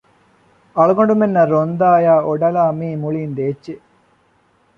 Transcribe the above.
އަޅުގަނޑުމެންނަށް ރޮންދާ އާ އޮޑަލާ މިއީ މުޅީން ދޭއްޗެއް